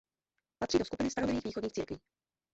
Patří do skupiny starobylých východních církví.